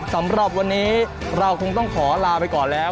สำหรับวันนี้เราคงต้องขอลาไปก่อนแล้ว